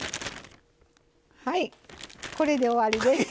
はいこれで終わりです。